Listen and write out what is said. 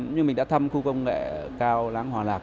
như mình đã thăm khu công nghệ cao láng hòa lạc